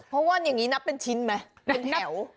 เพราะว่าอย่างนี้นับเป็นชิ้นไหมเป็นแถว